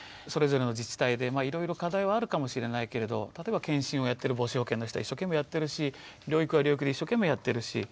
それぞれの自治体でいろいろ課題はあるかもしれないけれど例えば健診をやってる母子保健の人は一生懸命やってるし療育は療育で一生懸命やってるし。